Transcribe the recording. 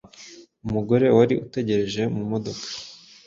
umugore wari utegereje mu modoka